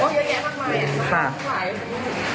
ซึ่งมีโภค่อนข้างค่ะ